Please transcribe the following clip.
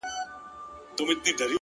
دا زما د کوچنيوالي غزل دی !!